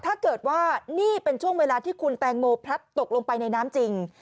ถ้าเกิดว่านี่เป็นช่วงเวลาที่คุณแตงโมพลัดตกลงไปในน้ำจริง